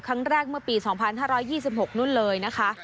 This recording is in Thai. ครั้งแรกเมื่อปี๒๕๒๖นู่นเลยนะคะ